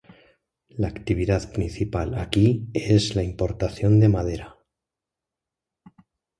La actividad principal aquí es la importación de madera.